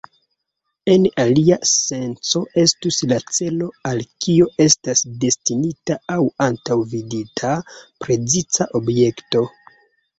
En alia senco estus la celo al kio estas destinita aŭ antaŭvidita preciza objekto.